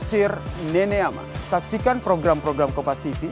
sudah bapak terima kasih